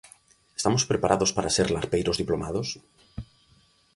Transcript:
Estamos preparados para ser Larpeiros Diplomados?